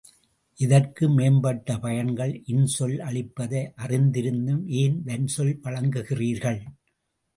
இத்தகு மேம்பட்ட பயன்களை இன்சொல் அளிப்பதை அறிந்திருந்தும் ஏன் வன்சொல் வழங்குகிறீர்கள்?